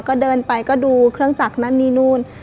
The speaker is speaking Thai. ก็เดินไปก็ดูเครื่องจักรนั่นนี่นู่น